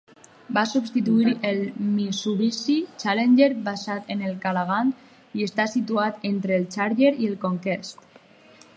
Va substituir el Mitsubishi Challenger, basat en el Galant, i està situat entre el Charger i el Conquest.